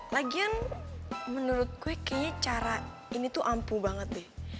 lagian menurutku kayaknya cara ini tuh ampuh banget deh